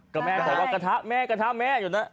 กระทะแม่กระทะแม่อยู่นะ